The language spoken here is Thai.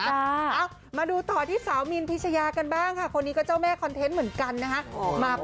เอ้ามาดูต่อที่สาวมินพิชยากันบ้างค่ะคนนี้ก็เจ้าแม่คอนเทนต์เหมือนกันนะฮะ